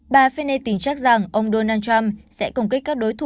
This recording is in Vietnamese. bà finney tính chắc rằng ông donald trump sẽ củng kích các đối thủ